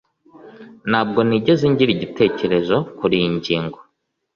Ntabwo nigeze ngira igitekerezo kuriyi ngingo.